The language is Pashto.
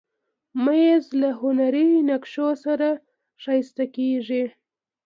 مېز له هنري نقشو سره ښکليږي.